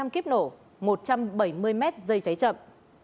một ba trăm linh kíp nổ một trăm bảy mươi m dây cháy chậm